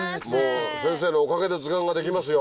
先生のおかげで図鑑が出来ますよ。